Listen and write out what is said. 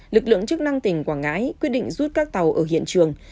lực lượng chức năng tỉnh quảng ngãi quyết định rút các tàu ở hiện trường